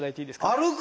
歩く！？